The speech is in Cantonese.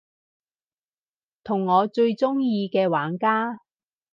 同我最鍾意嘅玩家